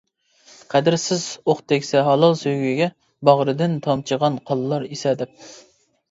قەدىرسىز ئوق تەگسە ھالال سۆيگۈگە، باغرىدىن تامچىغان قانلار ئېسەدەپ.